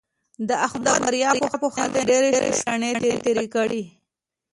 د احمد د بریا په خطر مې ډېرې شپې رڼې تېرې کړې.